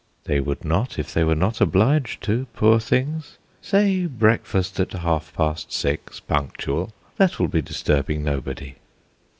"They would not if they were not obliged to, poor things! Say breakfast at half past six, punctual; that will be disturbing nobody."